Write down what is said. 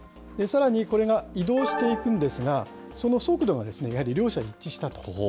さらにこれが移動していくんですが、その速度がやはり両者一致したと。